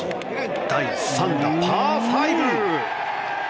第３打、パー５。